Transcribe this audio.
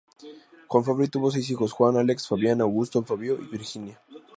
Juan Fabri tuvo seis hijos: Juan, Alex, Fabián, Augusto, Fabio y Virginia.